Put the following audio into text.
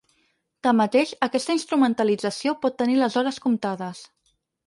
Tanmateix, aquesta instrumentalització pot tenir les hores comptades.